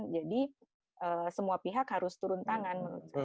jadi semua pihak harus turun tangan